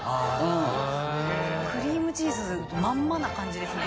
クリームチーズまんまな感じですね。